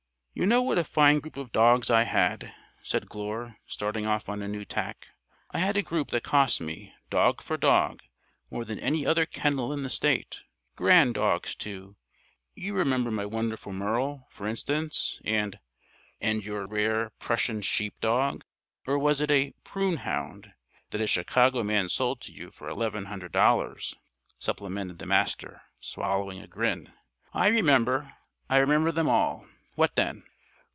"You know what a fine group of dogs I had," said Glure, starting off on a new tack. "I had a group that cost me, dog for dog, more than any other kennel in the state. Grand dogs too. You remember my wonderful Merle, for instance, and " "And your rare 'Prussian sheep dog' or was it a prune hound? that a Chicago man sold to you for $1100," supplemented the Master, swallowing a grin. "I remember. I remember them all. What then?"